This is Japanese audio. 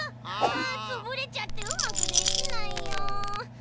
あつぶれちゃってうまくできないよ！